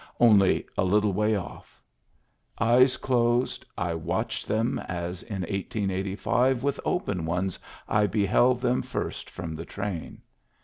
Only a little way off. Eyes closed, I watched them, as in 1885 with open ones I beheld them first from the train.